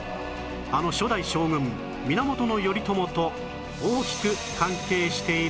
あの初代将軍源頼朝と大きく関係しているのです